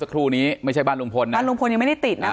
ครูนี้ไม่ใช่บ้านลุงพลนะบ้านลุงพลยังไม่ได้ติดนะ